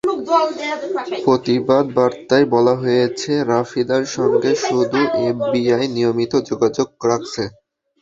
প্রতিবাদ বার্তায় বলা হয়েছে, রাফিদার সঙ্গে শুধু এফবিআই নিয়মিত যোগাযোগ রাখছে।